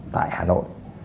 tại hà nội